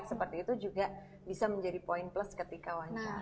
seperti itu juga bisa menjadi poin plus ketika wawancara